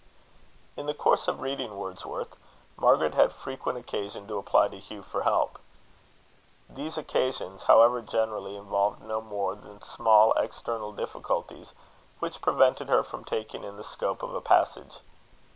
In the course of reading Wordsworth, Margaret had frequent occasion to apply to Hugh for help. These occasions, however, generally involved no more than small external difficulties, which prevented her from taking in the scope of a passage.